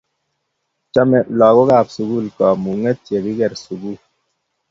chomei lagokab sukul kamung'et ya kikiger sukul